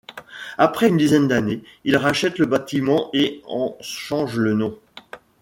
Après une dizaine d'années, il rachète le bâtiment et en change le nom.